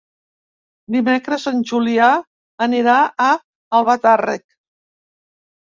Dimecres en Julià anirà a Albatàrrec.